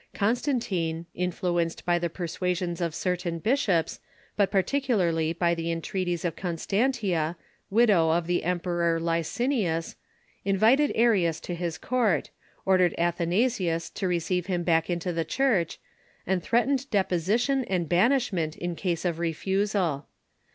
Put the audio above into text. Constantine, influenced by the persuasions of certain bishops, but particularly by the entreaties of Con stantia, widow of the Emperor Licinius, invited Arius to his court, ordered Athanasius to receive him back into the Church, and threatened deposition and banishment in case of refusal.